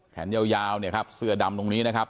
แขนยาวเนี่ยครับเสื้อดำตรงนี้นะครับ